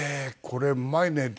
これうまいねって。